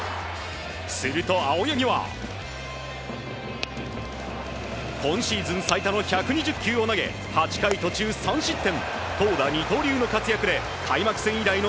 すると青柳は今シーズン最多の１２０球を投げ８回途中３失点。